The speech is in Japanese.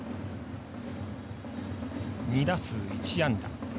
２打数１安打。